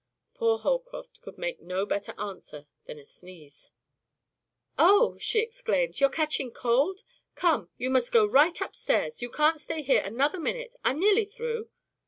Poor Holcroft could make no better answer than a sneeze. "Oh h," she exclaimed, "you're catching cold? Come, you must go right upstairs. You can't stay here another minute. I'm nearly through."